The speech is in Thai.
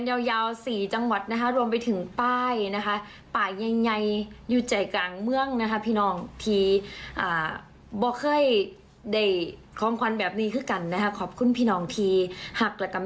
ติดตามน้องแอนตลอดไปค่ะ